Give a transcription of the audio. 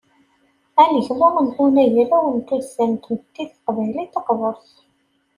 Anegmu n unagraw n tuddsa n tmetti taqbaylit taqburt.